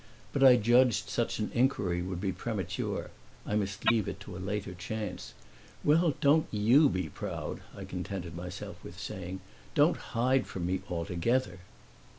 But I judged such an inquiry would be premature; I must leave it to a later chance. "Well, don't YOU be proud," I contented myself with saying. "Don't hide from me altogether."